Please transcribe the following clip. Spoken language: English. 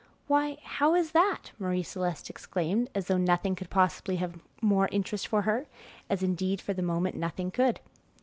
"Why, how is that?" Marie Celeste exclaimed, as though nothing could possibly have more interest for her, as indeed, for the moment, nothing could.